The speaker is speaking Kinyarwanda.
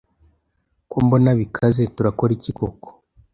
Ko mbona bikaze turakora iki koko